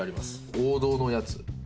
王道のやつ。